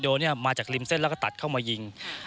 ส่วนอีโดมาจากริมเส้นแล้วก็ตัดเข้ามายิง